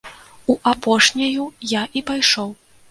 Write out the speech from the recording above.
У апошняю я і пайшоў.